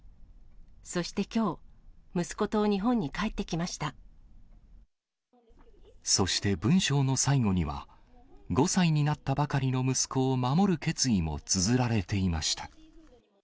そしてきょう、息子と日本に帰っそして、文章の最後には、５歳になったばかりの息子を守る決意もつづられていました。